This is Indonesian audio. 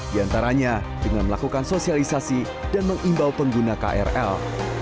diantaranya dengan melakukan sosialisasi dan mengimbau pengguna krl